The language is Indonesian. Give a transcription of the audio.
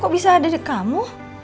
kok bisa ada di kamu